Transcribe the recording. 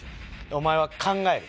お前は考える。